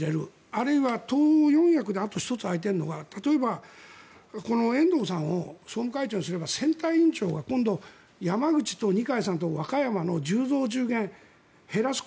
あるいは党四役であと１つ空いているのは例えば遠藤さんを総務会長にすれば選対委員長が今度、山口と二階さんの和歌山と１０増１０減減らす。